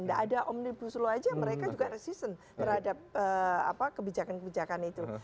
tidak ada omnibus law aja mereka juga resisten terhadap kebijakan kebijakan itu